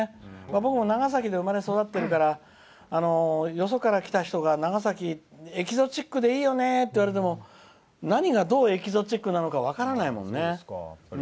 僕も長崎で生まれ育ってるからよそから来た人が長崎エキゾチックでいいよねって言われても何がどうエキゾチックなのか分からないもんね。